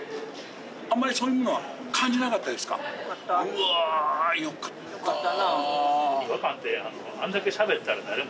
うわよかった。